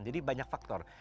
jadi banyak faktor